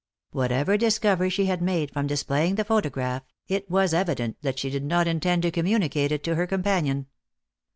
Whatever discovery she had made from displaying the photograph, it was evident that she did not intend to communicate it to her companion.